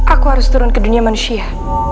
aku harus turun ke dunia manusia